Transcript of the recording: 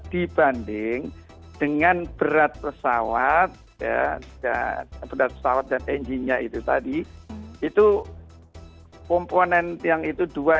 dibanding dengan berat pesawat dan engine nya itu tadi itu komponen yang itu dua